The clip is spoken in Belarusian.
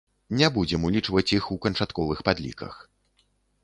Не будзем улічваць іх у канчатковых падліках.